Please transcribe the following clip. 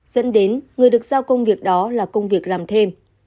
dẫn đến người được giao công việc đó là công việc làm thêm